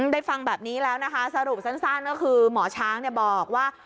ได้ฟังแบบนี้แล้วนะคะสรุปสั้นก็คือหมอช้างบอกว่า